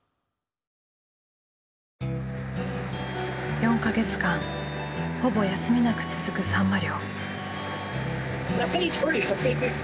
４か月間ほぼ休みなく続くサンマ漁。